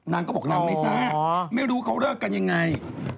นางก็บอกนางไม่ทราบไม่รู้เขาเลิกกันยังไง